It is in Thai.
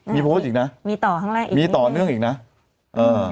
มีโพชอีกน่ะมีต่อทางล่าอีกมีต่อเรื่องอีกน่ะเออ